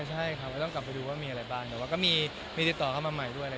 หรือว่ามีอะไรบ้างเดี๋ยวว่าก็มีติดต่อเข้ามาใหม่ด้วยอะไรด้วย